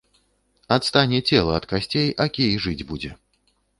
Адстане цела ад касцей, а кій жыць будзе.